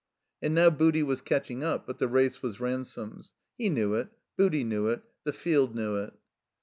And now Booty was catching up, but the race was Ransome's. He knew it. Booty knew it. The field knew it.